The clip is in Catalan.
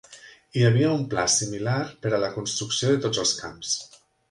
Hi havia un pla similar per a la construcció de tots els camps.